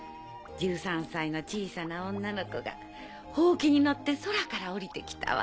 １３歳の小さな女の子がホウキに乗って空から降りて来たわ。